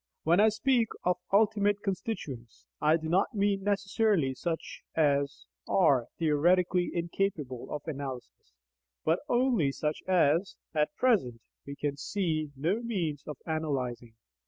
* When I speak of "ultimate constituents," I do not mean necessarily such as are theoretically incapable of analysis, but only such as, at present, we can see no means of analysing.